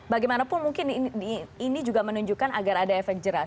bagaimanapun mungkin ini juga menunjukkan agar ada efek jerah